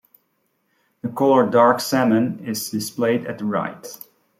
The color dark salmon is displayed at the right.